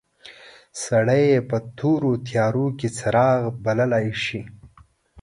سړی یې په تورو تیارو کې څراغ بللای شي.